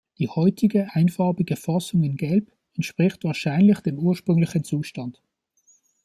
Die heutige, einfarbige Fassung in Gelb entspricht wahrscheinlich dem ursprünglichen Zustand.